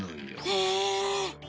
へえ。